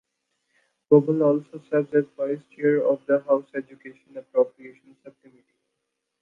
Gobble also serves as vice chair of the House Education Appropriations Subcommittee.